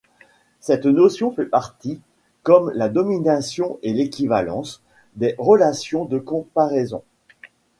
Cette notion fait partie, comme la domination et l'équivalence, des relations de comparaison.